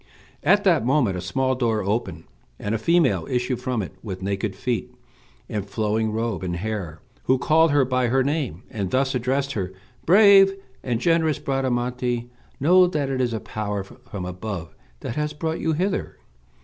At that moment a small door opened, and a female issued from it with naked feet, and flowing robe and hair, who called her by her name, and thus addressed her: "Brave and generous Bradamante, know that it is a power from above that has brought you hither.